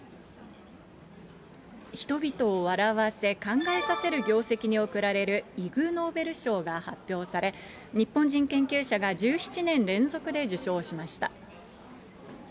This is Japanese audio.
人々を笑わせ、考えさせる業績に贈られるイグ・ノーベル賞が発表され、日本人研究者が１７年連続で受賞しました。